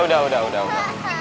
udah udah udah udah